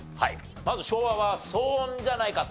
まず昭和は騒音じゃないかと。